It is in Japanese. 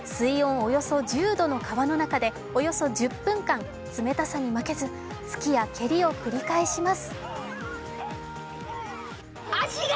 およそ１０度の川の中でおよそ１０分間、冷たさに負けず、突きや蹴りを繰り返します。